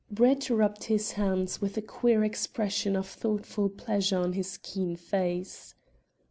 Brett rubbed his hands, with a queer expression of thoughtful pleasure on his keen face.